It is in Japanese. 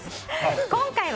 今回は